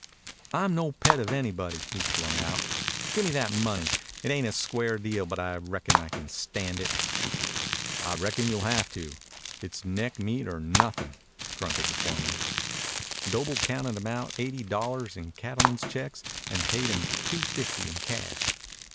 "I'm no pet of anybody," he flung out. "Gimme that money. It ain't a square deal, but I reckon I can stand it." "I reckon you'll have to. It's neck meat or nothin'," grunted the foreman. Doble counted him out eighty dollars in cattlemen's checks and paid him two fifty in cash.